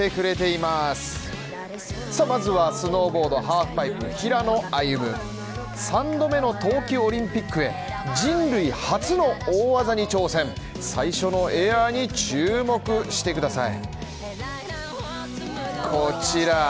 まずはスノーボードハーフパイプ平野歩夢、３度目の冬季オリンピックへ人類初の大技に挑戦最初のエアーに注目してください。